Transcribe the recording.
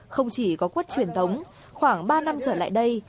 không chỉ có quất truyền thống khoảng ba năm trở lại đây